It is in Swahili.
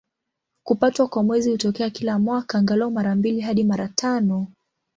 Kupatwa kwa Mwezi hutokea kila mwaka, angalau mara mbili hadi mara tano.